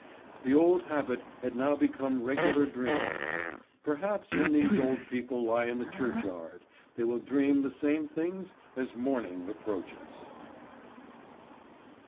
The old habit had now become regular dreams. Perhaps when these old people lie in the churchyard they will dream the same things as morning approaches.